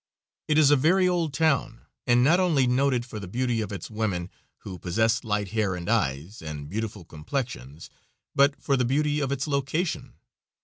It is a very old town, and not only noted for the beauty of its women, who possess light hair and eyes, and beautiful complexions, but for the beauty of its location.